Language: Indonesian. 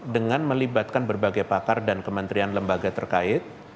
dengan melibatkan berbagai pakar dan kementerian lembaga terkait